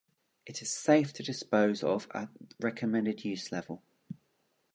It is safe to dispose of at recommended use level.